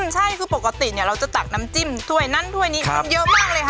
ใช่คือปกติเราจะตักน้ำจิ้มถ้วยนั้นถ้วยนี้กินเยอะมากเลยค่ะ